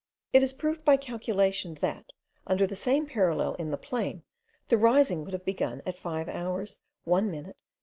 It is proved by calculation that, under the same parallel in the plain, the rising would have begun at 5 hours 1 minute 50.